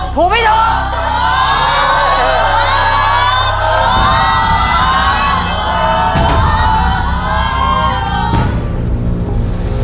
ถูกถูกถูกถูกถูกถูก